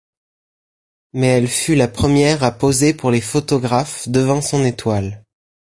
Mais elle fut la première à poser pour les photographes devant son étoile.